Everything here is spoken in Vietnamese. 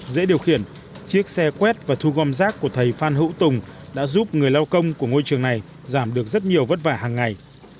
thầy phan hữu tùng chiếc xe quét và thu gom rác của thầy phan hữu tùng đã giúp người lao công của ngôi trường này giảm được rất nhiều vất vả hằng ngày